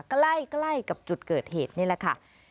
ใกล้กับจุดเกิดเหตุนี่แหละค่ะ